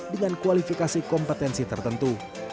dengan kualifikasi kompetensi tertentu